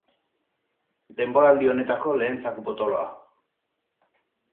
Denboraldi honetako lehen zaku potoloa.